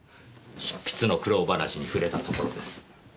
執筆の苦労話に触れたところです。